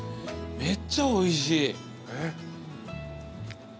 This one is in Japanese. めっちゃおいしい。